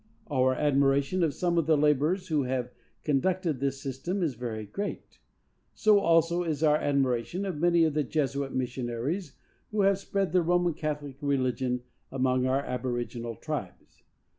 Our admiration of some of the laborers who have conducted this system is very great; so also is our admiration of many of the Jesuit missionaries who have spread the Roman Catholic religion among our aboriginal tribes.